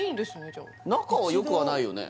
じゃ仲はよくはないよね